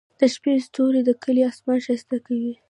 د شپې ستوري د کلي اسمان ښايسته کوي.